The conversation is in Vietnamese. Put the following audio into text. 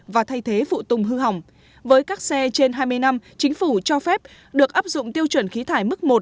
và thay thế phụ tùng hư hỏng với các xe trên hai mươi năm chính phủ cho phép được áp dụng tiêu chuẩn khí thải mức một